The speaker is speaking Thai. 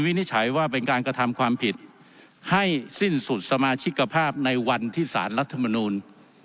นิจฉัยว่าเป็นการกระทำความผิดให้สิ้นสุดสมาชิกภาพในวันที่สารรัฐมนูล